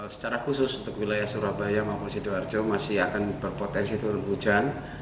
secara khusus untuk wilayah surabaya maupun sidoarjo masih akan berpotensi turun hujan